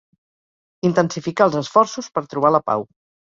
Intensificar els esforços per trobar la pau.